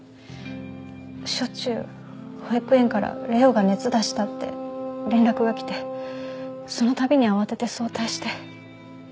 しょっちゅう保育園から玲生が熱出したって連絡が来てそのたびに慌てて早退して。